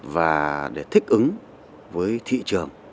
và để thích ứng với thị trường